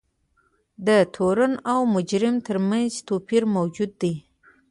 د تورن او مجرم ترمنځ توپیر موجود دی.